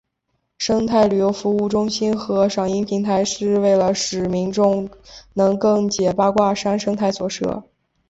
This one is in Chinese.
生态旅游服务中心和赏鹰平台是为了使民众能更解八卦山生态所设。